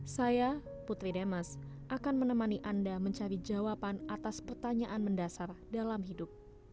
saya putri demas akan menemani anda mencari jawaban atas pertanyaan mendasar dalam hidup